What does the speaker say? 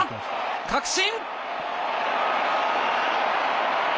確信！